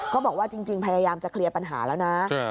ก็บอกว่าจริงพยายามจะเคลียร์ปัญหาแล้วนะ